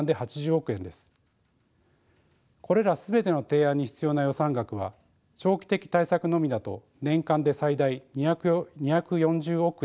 これら全ての提案に必要な予算額は長期的対策のみだと年間で最大２４０億円程度です。